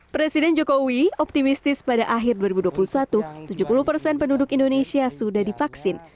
presiden jokowi optimistis pada akhir dua ribu dua puluh satu tujuh puluh persen penduduk indonesia sudah divaksin